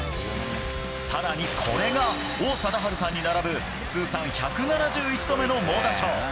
更にこれが、王貞治さんに並ぶ通算１７１度目の猛打賞。